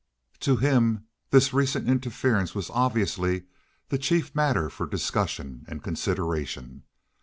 To him this recent interference was obviously the chief matter for discussion and consideration.